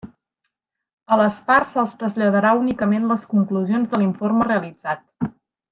A les parts se'ls traslladarà únicament les conclusions de l'informe realitzat.